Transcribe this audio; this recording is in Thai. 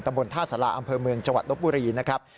บนท่าสาราอำเภอเมืองจังหวัดลบบุรีนะครับ